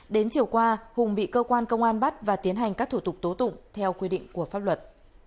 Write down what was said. đến chiều qua hùng bị cơ quan công an bắt và tiến hành các thủ tục tố tụng theo quy định của pháp luật